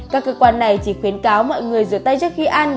các cơ quan này chỉ khuyến cáo mọi người rửa tay trước khi ăn